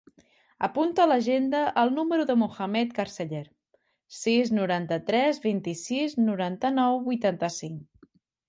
Apunta a l'agenda el número del Mohammed Carceller: sis, noranta-tres, vint-i-sis, noranta-nou, vuitanta-cinc.